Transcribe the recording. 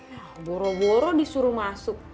ya boro boro disuruh masuk